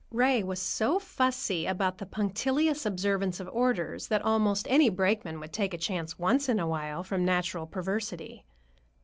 Ray was so fussy about the punctilious observance of orders that almost any brakeman would take a chance once in a while, from natural perversity.